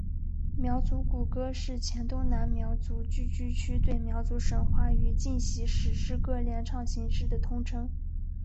苗族古歌是黔东南苗族聚居区对苗族神话与迁徙史诗歌联唱形式的通称。